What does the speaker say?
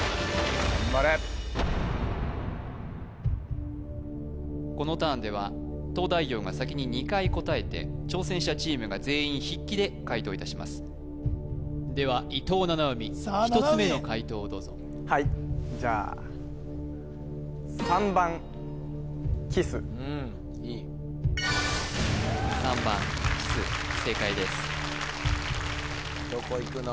頑張れこのターンでは東大王が先に２回答えて挑戦者チームが全員筆記で解答いたしますでは伊藤七海１つ目の解答をどうぞはいじゃあ３番きす正解ですどこいくの？